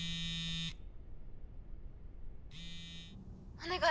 お願い